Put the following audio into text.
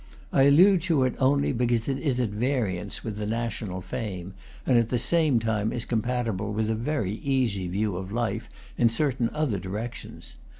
I allude to it only be came it is at variance with the national fame, and at the same time is compatible with a very easy view of life in certain other directions.